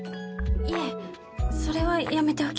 いえそれはやめておきます。